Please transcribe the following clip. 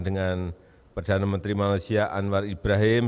dengan perdana menteri malaysia anwar ibrahim